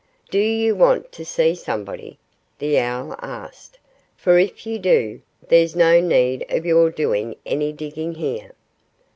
"Do you want to see somebody?" the owl asked. "For if you do, there's no need of your doing any digging here."